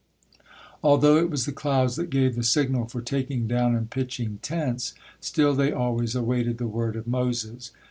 Although it was the clouds that gave the signal for taking down and pitching tents, still they always awaited the word of Moses.